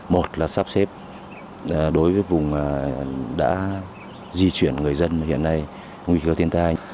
một là sắp xếp đối với vùng đã di chuyển người dân hiện nay nguy cơ thiên tai